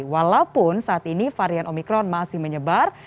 walaupun saat ini varian omikron masih menyebar